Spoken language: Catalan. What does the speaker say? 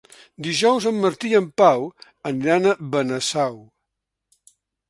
Dijous en Martí i en Pau aniran a Benasau.